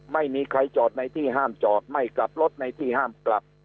ไม่มีใครจอดในที่ห้ามจอดไม่กลับรถในที่ห้ามกลับ